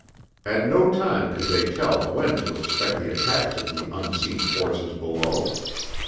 At no time could they tell when to expect the attacks of the unseen forces below.